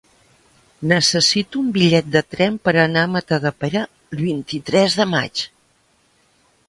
Necessito un bitllet de tren per anar a Matadepera el vint-i-tres de maig.